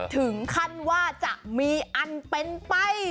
ถึงขั้นว่าจะมีอันเป็นไป